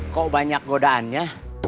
kok banyak godaannya